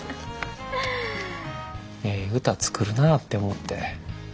ええ歌作るなぁって思って。